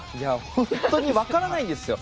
本当に分からないんですよ。